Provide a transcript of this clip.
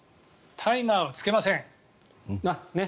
タイマーはつけません。